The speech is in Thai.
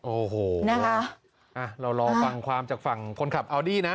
โอ้โหนะคะเรารอฟังความจากฝั่งคนขับอัลดี้นะ